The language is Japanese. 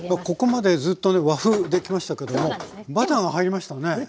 ここまでずっとね和風できましたけどもバターが入りましたね。